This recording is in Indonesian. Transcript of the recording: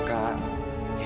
mereka sama sama sama